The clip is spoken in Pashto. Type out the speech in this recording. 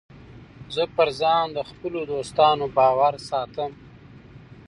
زه پر ځان د خپلو دوستانو باور ساتم.